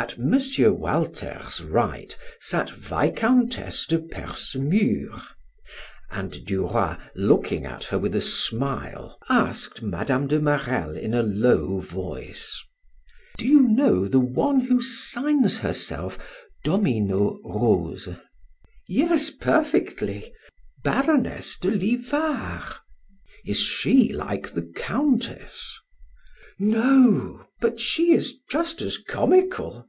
At M. Walter's right sat Viscountess de Percemur, and Duroy, looking at her with a smile, asked Mme. de Marelle in a low voice: "Do you know the one who signs herself 'Domino Rose'?" "Yes, perfectly; Baroness de Livar." "Is she like the Countess?" "No. But she is just as comical.